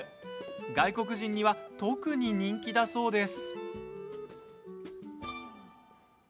外国人には特に人気だそうです。